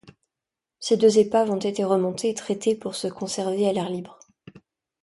Ces deux épaves ont été remontées et traitées pour se conserver à l'air libre.